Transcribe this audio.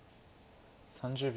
３０秒。